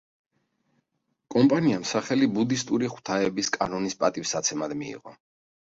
კომპანიამ სახელი ბუდისტური ღვთაების, კანონის პატივსაცემად მიიღო.